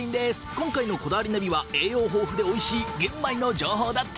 今回の『こだわりナビ』は栄養豊富でおいしい玄米の情報だって！